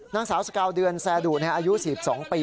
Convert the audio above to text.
นางสาวสกาวเดือนแซ่ดูอายุ๑๒ปีนะครับ